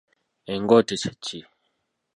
Engote kye ki?